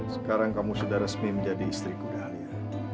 sekarang kamu sudah resmi menjadi istriku dalia